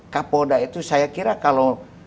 kapolda itu saya kira kalau